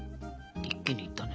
一気にいったね。